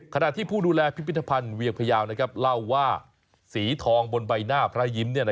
ขณะที่ผู้ดูแลพิพิธภัณฑ์เวียงพยาวเล่าว่าสีทองบนใบหน้าพระยิ้ม